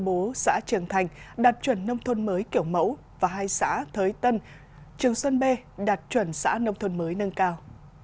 bố xã trường thành đạt chuẩn nông thôn mới kiểu mẫu và hai xã thới tân trường xuân bê đạt chuẩn xã nông thôn mới nâng cao